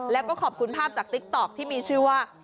แล้วก็ขอบคุณภาพจากติ๊กต๊อกที่มีชื่อว่า